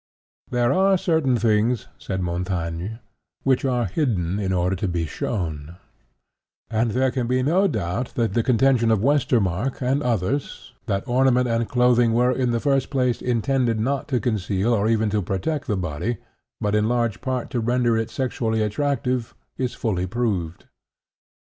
"There are certain things," said Montaigne, "which are hidden in order to be shown;" and there can be no doubt that the contention of Westermarck and others, that ornament and clothing were, in the first place, intended, not to conceal or even to protect the body, but, in large part, to render it sexually attractive, is fully proved.